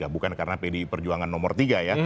bukan karena pdi perjuangan nomor tiga ya